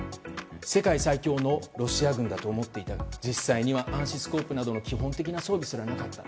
世界最強のロシア軍だと思っていたが実際には暗視スコープなどの基本的な装備すらなかった。